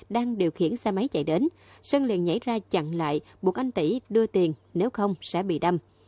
đang điều khiển xe máy chạy đến sơn liền nhảy ra chặn lại buộc anh tỷ đưa tiền nếu không sẽ bị đâm